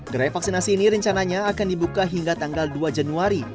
gerai vaksinasi ini rencananya akan dibuka hingga tanggal dua januari